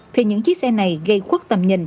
thì những chiếc xe này gây khuất tầm nhìn